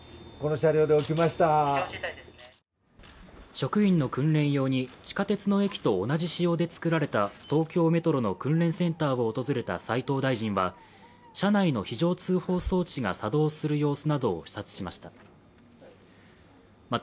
職員の訓練用に地下鉄の駅と同じ仕様でつくられた東京メトロの訓練センターを訪れた斉藤大臣は車内の非常通報装置が作動する様子などを視察しました。